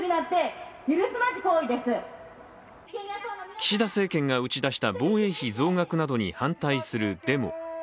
岸田政権が打ち出した防衛費増額などについて反対するデモ。